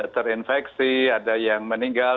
terinfeksi ada yang meninggal